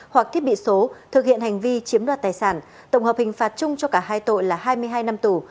hoặc thiết bị số thực hiện hành vi chiếm đoạt tài sản tổng hợp hình phạt chung cho cả hai tội là hai mươi hai năm tù